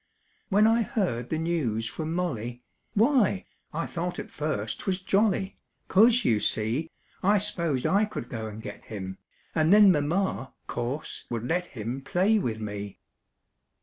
When I heard the news from Molly, Why, I thought at first 't was jolly, 'Cause, you see, I s'posed I could go and get him And then Mama, course, would let him Play with me.